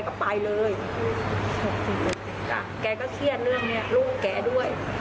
แกก็ไปเลยแกก็เชื่อเรื่องเนี้ยลูกแกด้วย